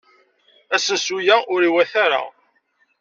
Asensu-a ur iwata ara.